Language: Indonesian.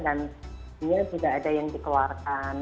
dan dia juga ada yang dikeluarkan